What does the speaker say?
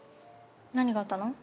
何があったの？